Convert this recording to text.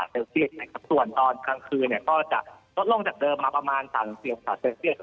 ส่วนตอนกลางคืนก็จะลดลงจากเดิมมาประมาณ๓๔องศาเซลเซียส